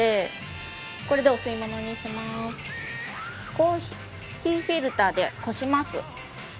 コーヒーフィルターでこします。